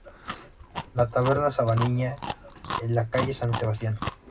La taberna Sabanilla, en la calle San Sebastián